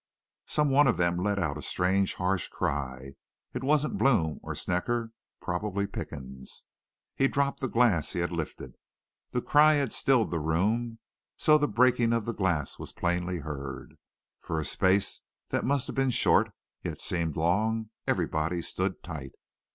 "Some one of them let out a strange, harsh cry. It wasn't Blome or Snecker probably Pickens. He dropped the glass he had lifted. The cry had stilled the room, so the breaking of the glass was plainly heard. For a space that must have been short, yet seemed long, everybody stood tight.